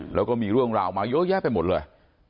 แล้วก็มีเรื่องราวมาเยอะแยะไปหมดเลย